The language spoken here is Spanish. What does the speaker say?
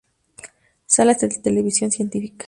Salas de televisión científica.